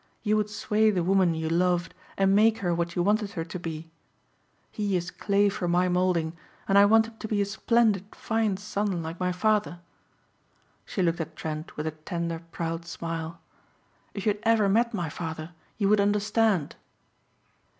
You would sway the woman you loved and make her what you wanted her to be. He is clay for my molding and I want him to be a splendid, fine son like my father." She looked at Trent with a tender, proud smile, "If you had ever met my father you would understand."